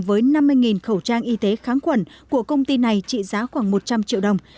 với năm mươi khẩu trang y tế kháng khuẩn của công ty này trị giá khoảng một trăm linh triệu đồng